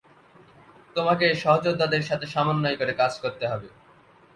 তোমাকে সহযোদ্ধাদের সাথে সমন্বয় করে কাজ করতে হবে!